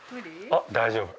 あっ大丈夫！